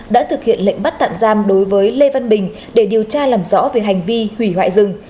đã thực hiện lệnh bắt tạm giam đối với lê văn bình để điều tra làm rõ về hành vi hủy hoại rừng